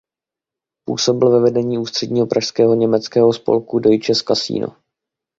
Působil ve vedení ústředního pražského německého spolku Deutsches Kasino.